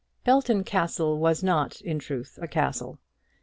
Belton Castle was not in truth a castle.